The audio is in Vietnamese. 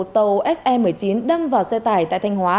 tàu se một mươi chín đâm vào xe tải tại thanh hóa